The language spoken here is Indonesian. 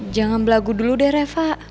jangan belagu dulu deh reva